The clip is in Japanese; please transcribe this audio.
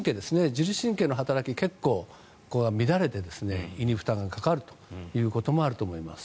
自律神経の働きが結構、乱れて胃に負担がかかることもあると思います。